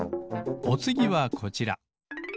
おつぎはこちら。